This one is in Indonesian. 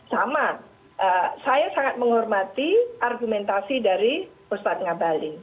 sama saya sangat menghormati argumentasi dari ustadz ngabalin